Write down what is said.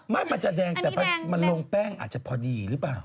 มันจะแดงแต่มันลงแป้งอาจจะพอดีหรือเปล่า